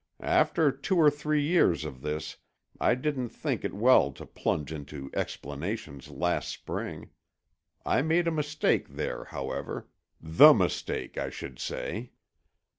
After two or three years of this I didn't think it well to plunge into explanations last spring. I made a mistake there, however; the mistake, I should say.